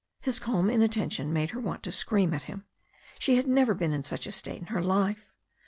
His calm inattention made her want to scream at hioL She had never been in such a state in her life.